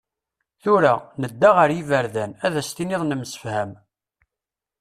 Tura, nedda ar yiberdan, Ad as-tiniḍ nemsefham.